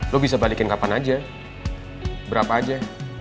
lo bisa balikin kapan aja berapa aja